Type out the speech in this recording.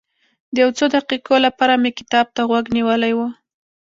د یو څو دقیقو لپاره مې کتاب ته غوږ نیولی و.